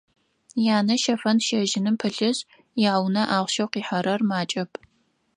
Янэ щэфын-щэжьыным пылъышъ, яунэ ахъщэу къихьэрэр макӏэп.